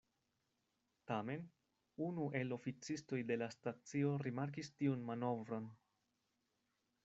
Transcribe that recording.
Tamen unu el oficistoj de la stacio rimarkis tiun manovron.